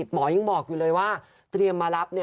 หมอยังบอกอยู่เลยว่าเตรียมมารับ